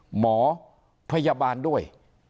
หมอพยาบาลด้วย